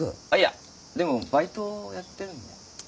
あっいやでもバイトやってるんで。